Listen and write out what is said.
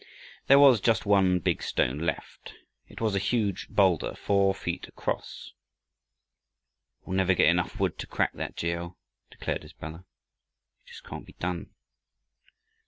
There was just one big stone left. It was a huge boulder, four feet across. "We'll never get enough wood to crack that, G. L.," declared his brother. "It just can't be done."